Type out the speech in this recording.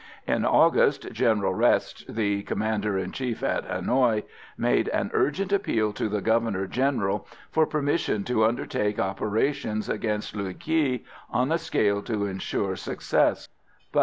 In August General Reste, the Commander in Chief at Hanoï, made an urgent appeal to the Governor General for permission to undertake operations against Luu Ky, on a scale to ensure success; but M.